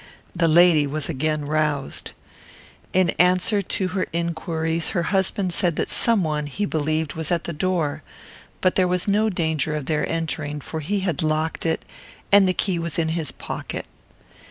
The lady was again roused. In answer to her inquiries, her husband said that some one, he believed, was at the door, but there was no danger of their entering, for he had locked it, and the key was in his pocket.